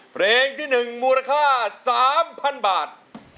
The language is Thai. เพลงที่๑มูลค่า๓๐๐๐บาท